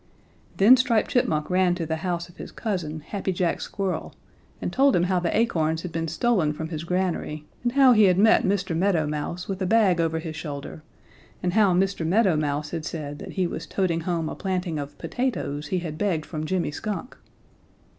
"Then Striped Chipmunk ran to the house of his cousin, Happy Jack Squirrel, and told him how the acorns had been stolen from his granary and how he had met Mr. Meadow Mouse with a bag over his shoulder and how Mr. Meadow Mouse had said that he was toting home a planting of potatoes he had begged from Jimmy Skunk.